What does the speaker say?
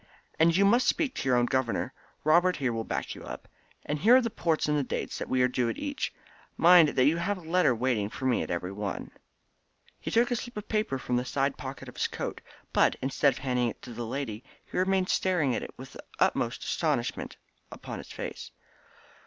And you must speak to your own governor. Robert here will back you up. And here are the ports and the dates that we are due at each. Mind that you have a letter waiting for me at every one." He took a slip of paper from the side pocket of his coat, but, instead of handing it to the young lady, he remained staring at it with the utmost astonishment upon his face.